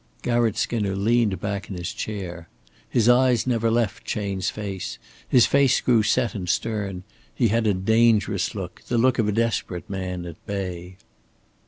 Garratt Skinner leaned back in his chair. His eyes never left Chayne's face, his face grew set and stern. He had a dangerous look, the look of a desperate man at bay.